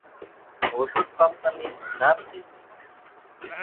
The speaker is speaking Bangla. ওষুধ কোম্পানি নাম কি?